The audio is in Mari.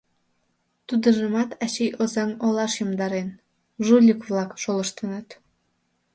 Тудыжымат ачий Озаҥ олаш йомдарен: жульык-влак шолыштыныт...»